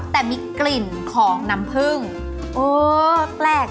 แต่มีกลิ่นของน้ำผล